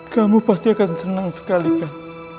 kamu pasti akan senang sekali kan